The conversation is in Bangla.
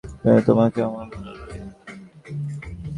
কিন্তু তোমাকেও আমার ভালো লাগে।